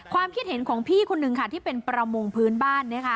ความคิดเห็นของพี่คนนึงค่ะที่เป็นประมงพื้นบ้าน